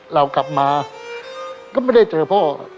เรากลับมาก็ไม่ได้เจอพ่อ